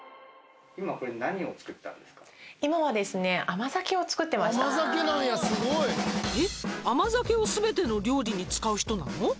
甘酒を全ての料理に使う人なの？」